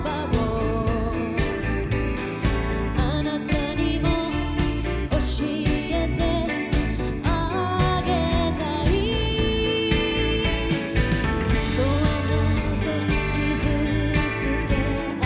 「あなたにも教えてあげたい」人は何故傷つけあ